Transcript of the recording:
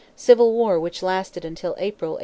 Civil war which lasted until April, 1877.